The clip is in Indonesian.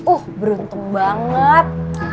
uh beruntung banget